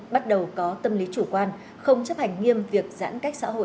bắt đầu có tâm lý chủ quan không chấp hành nghiêm việc giãn cách xã hội